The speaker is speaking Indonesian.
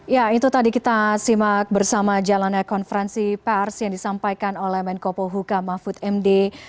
ya itu tadi kita simak bersama jalannya konferensi pers yang disampaikan oleh menko pohuka mahfud md